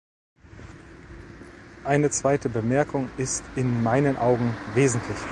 Eine zweite Bemerkung ist in meinen Augen wesentlich.